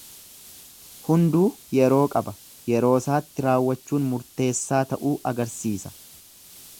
Hunduu yeroo qaba, yeroosaatti raawwachuun murteessaa ta'uu agarsiisa.